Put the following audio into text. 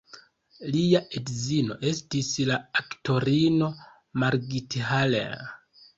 Lia edzino estis la aktorino Margit Haller.